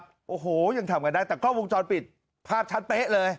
โอ้โหยังทำกันได้แต่กล้องวงจรปิดภาพชัดเป๊ะเลย